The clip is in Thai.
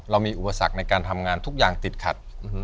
เรามีอุปสรรคในการทำงานทุกอย่างติดขัด